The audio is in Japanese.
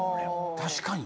確かに。